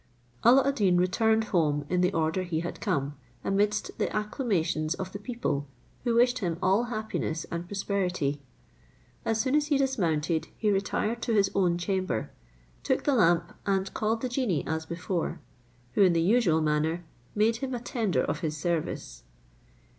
Alla ad Deen returned home in the order he had come, amidst the acclamations of the people, who wished him all happiness and prosperity. As soon as he dismounted, he retired to his own chamber, took the lamp, and called the genie as before, who in the usual manner made him a tender of his service.